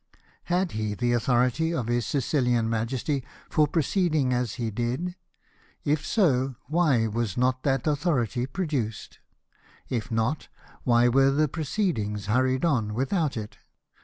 Had he the authority of his Sicilian Majesty for proceeding as he did ? If so, why was not that authority produced ? If not, why were the proceedings hurried on without it